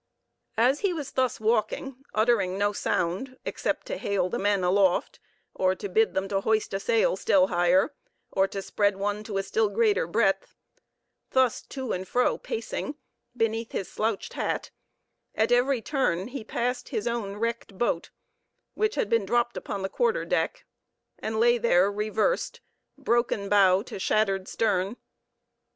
As he was thus walking, uttering no sound, except to hail the men aloft, or to bid them to hoist a sail still higher, or to spread one to a still greater breadth, thus to and fro pacing, beneath his slouched hat, at every turn he passed his own wrecked boat, which had been dropped upon the quarter deck, and lay there reversed; broken bow to shattered stern.